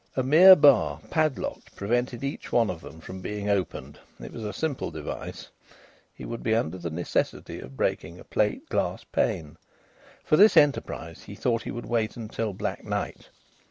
A mere bar, padlocked, prevented each one of them from being opened; it was a simple device. He would be under the necessity of breaking a plate glass pane. For this enterprise he thought he would wait until black night.